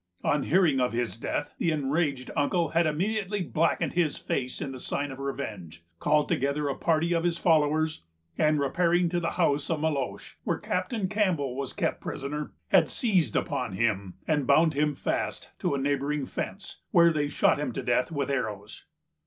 On hearing of his death, the enraged uncle had immediately blackened his face in sign of revenge, called together a party of his followers, and repairing to the house of Meloche, where Captain Campbell was kept prisoner, had seized upon him, and bound him fast to a neighboring fence, where they shot him to death with arrows.